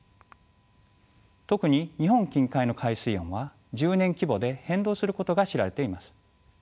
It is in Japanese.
特に日本近海の海水温は１０年規模で変動することが知られています。